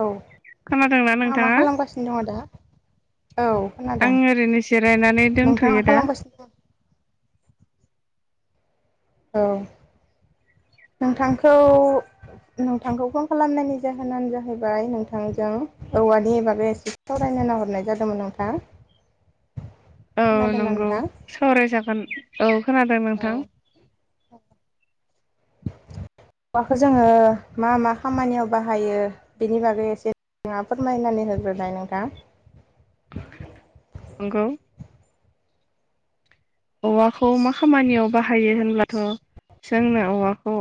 औ खोनादोंना नोंथाङा मा नोंथाङा खालामगासिनो दङ' दा? औ खोनादों आं ओरैनो जिरायनानै नोंथाङा दंथ'यो दा। खालामगासिनो दं? औ नोंथांखौ नोंथांखौ फन खालामनायनि जाहोनानो जाहैबाय नोंथांजों औवानि बागै एसे सावरायनो होन्ना हरनाय जादोंमोन नोंथां। औ खोनादोंना नंगौ नोंथां? सावरायजागोन। औ खोनादों औ नोंथां? औवाखौ जोङो मा मा खामानियाव बाहायो बेनि बागै एसे नोंथाङा फोरमायनानै होग्रोनाय नोंथां। नोंगौ औवाखौ मा खामानियाव बाहायो होनब्लाथ जोंनो औवाखौ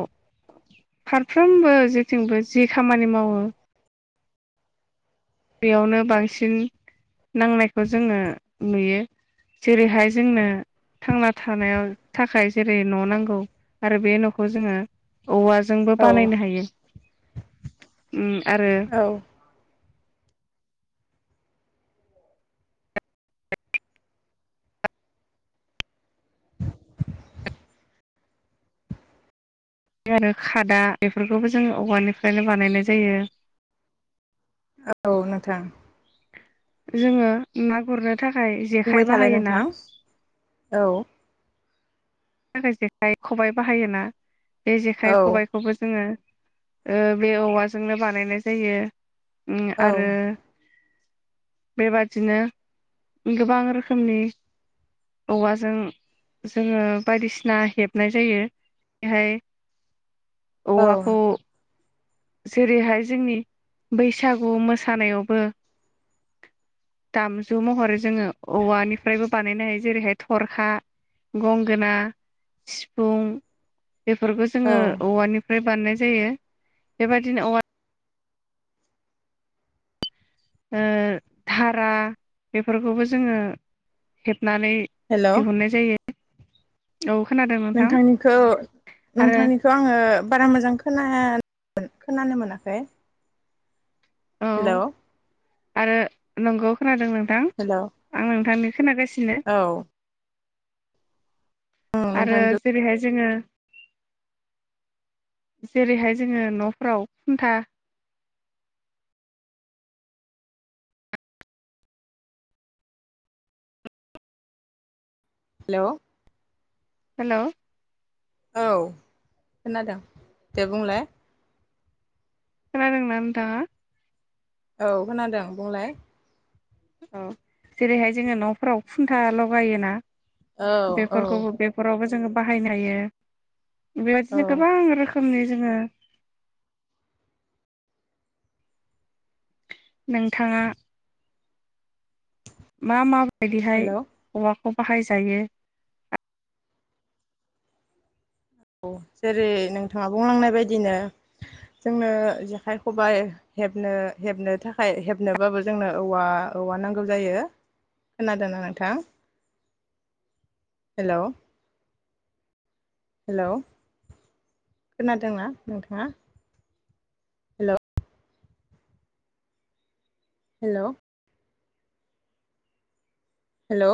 फारफ्रोमबो जेथिंबो जि खामानि मावो बेयावनो बांसिन नांनायखौ जोङो नुयो, जेरैहाय जोंनो थांना थानायाव थाखाय जेरै न' नांगौ आरो बे न'खौ जोङो औवाजोंबो औ बानायनो हायो। उम आरो औ आरो खादा बेफोरखौबो जोङो औवानिफ्रायनो बानायनाय जायो। औ नोंथां। जोङो ना गुरनो थाखाय बुंबाय जेखाय थालाय बाहायोना? नोंथां औ आरो जेखाइ खबाइ बाहायोना? बे जेखाइ औ खबाइखौबो जोङो ओ बे औवाजोंनो बानायनाय जायो। ओम औ आरो बेबादिनो गोबां रोखोमनि औवाजों जोङो बायदिसिना हेबनाय जायो बेहाय औवाखौ नोंथां जेरैहाय जोंनि बैसागु मोसानायावबो दामजु महरै जोङो औवानिफ्रायबो बानायनो हायो जेरैहाय थरखा गंगोना सिफुं बेफोरखौ औ जोङो औवानिफ्राय बानाय जायो। बेबायदिनो औवा ओ धारा बेफोरखौबो जोङो हेब नानै हेल' दिहुननाय जायो। औ खोनादों नोंथां नोंथांनिखौ आरो नोंथांनिखौ आङो बारा मोजां खोना खोनानो मोनाखै? औ हेलौ आरो नंगौ खोनादों नों थां हेल' औ आं नोंथांनि खोनागासिनो ओं आरो नोंथांनिखौ जेरैहाय जोङो जेरैहाय जोङो न'फ्राव खुन्था हेल' हेलौ। औ खोनादों दे बुंलाय खोनादोंना नोंथांङा औ खोनादों बुंलाय औ जेरैहाय जोङो न'फोराव खुन्था लगायोना औ औ बेफोरखौबो बेफोरावबो जोङो बाहायनो हायो। औ बेबायदिनो गोबां रोखो खालामनि जोङो नोंथाङा मा माव बायदिहाय हेल' वाक खौ बाहायजायो औ जेरै नोंथाङा बुंलांनाय बायदिनो जोंनो जेखाइ, खबाइ हेबनो हेबनो थाखाय हेबनोबाबो जोंनो औवा औवा नांगौ जायो। खोनादोंना नोंथां? हेल' हेल' खोनादोंना नोंथाङा हेल' हेल' हेलौ